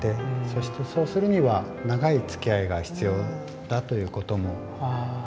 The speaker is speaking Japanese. そしてそうするには長いつきあいが必要だということも。